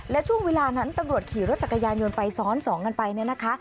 และช่วงเวลานั้นตำรวจขี่รถจักรยานยนต์ไปซ้อนสองกันไปเนี่ยนะคะ